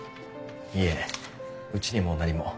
いいえうちにも何も。